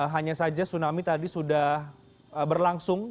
hanya saja tsunami tadi sudah berlangsung